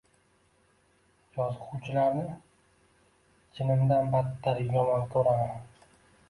Yozg`uvchilarni jinimdan battar yomon ko`raman